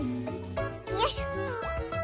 よいしょ。